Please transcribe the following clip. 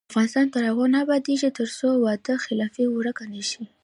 افغانستان تر هغو نه ابادیږي، ترڅو وعده خلافي ورکه نشي.